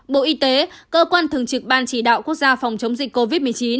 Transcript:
bộ y tế cơ quan thường trực ban chỉ đạo quốc gia phòng chống dịch covid một mươi chín